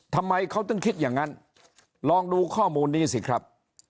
ทำไมเขาต้องคิดอย่างนั้นลองดูข้อมูลนี้สิครับ